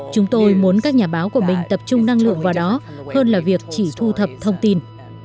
chúng tôi muốn các nhà báo của mình tập trung năng lượng vào đó hơn là việc chỉ thu thập thông tin